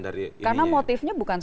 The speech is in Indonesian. dari karena motifnya bukan